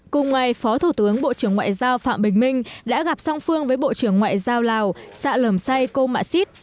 cùng ngày phó thủ tướng bộ trưởng ngoại giao phạm bình minh đã gặp song phương với bộ trưởng ngoại giao lào sạ lẩm say cô mạ xít